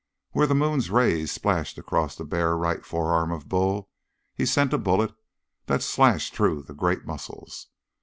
Where the moon's rays splashed across the bare right forearm of Bull, he sent a bullet that slashed through the great muscles.